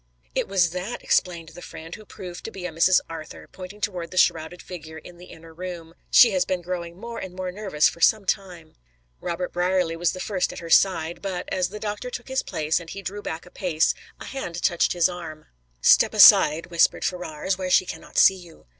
"It was that," explained the friend, who proved to be a Mrs. Arthur, pointing toward the shrouded figure in the inner room. "She has been growing more and more nervous for some time." Robert Brierly was the first at her side, but, as the doctor took his place and he drew back a pace, a hand touched his arm. "Step aside," whispered Ferrars, "where she cannot see you."